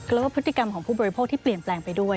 แล้วก็พฤติกรรมของผู้บริโภคที่เปลี่ยนแปลงไปด้วย